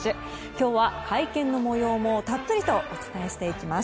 今日は会見の模様もたっぷりとお伝えしていきます。